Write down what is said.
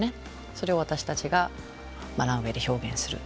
それを私たちがランウェイで表現する。